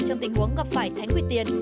trong tình huống gặp phải thánh quy tiền